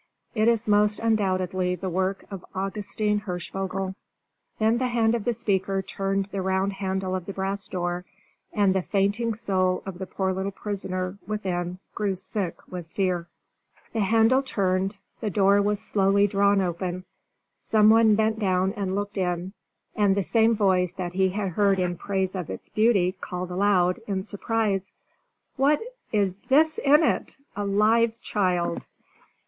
It is most undoubtedly the work of Augustin Hirschvogel." Then the hand of the speaker turned the round handle of the brass door, and the fainting soul of the poor little prisoner within grew sick with fear. The handle turned, the door was slowly drawn open, someone bent down and looked in, and the same voice that he had heard in praise of its beauty called aloud, in surprise, "What is this in it? A live child!"